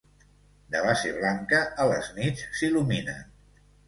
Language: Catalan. De base blanca, a les nits s'il·luminen.